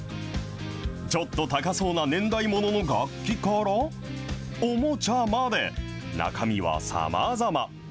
ちょっと高そうな年代物の楽器から、おもちゃまで、中身はさまざま。